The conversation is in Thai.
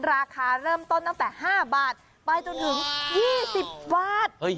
ราคาเริ่มต้นตั้งแต่๕บาทไปจนถึง๒๐บาท